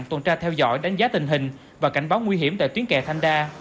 tuần tra theo dõi đánh giá tình hình và cảnh báo nguy hiểm tại tuyến kè thanh đa